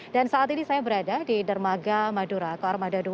dan saat ini saya berada di dermaga madura ke armada dua